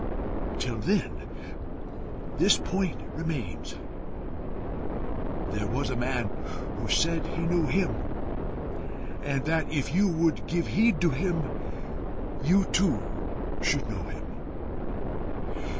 Till then, this point remains: there was a man who said he knew him, and that if you would give heed to him, you too should know him.